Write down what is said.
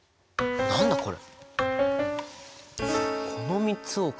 何だこれ。